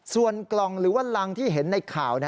ส่วนกล่องหรือว่ารังที่เห็นในข่าว